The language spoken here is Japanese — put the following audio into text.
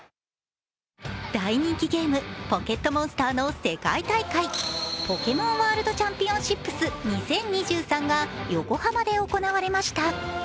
大人気ゲーム「ポケットモンスター」の世界大会、「ポケモンワールドチャンピオンシップス２０２３」が横浜で行われました。